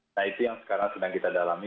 nah itu yang sekarang sedang kita dalami